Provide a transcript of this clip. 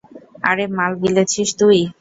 আরে মাল গিলেছিস তুই?